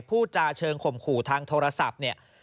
ผู้จาเชิงข่มขู่ทางโทรศัพท์